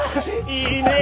いいねェ